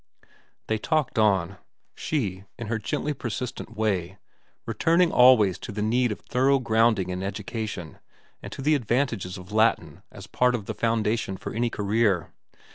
They talked on; she, in her gently persistent way, returning always to the need of thorough grounding in education and to the advantages of Latin as part of the foundation for any career.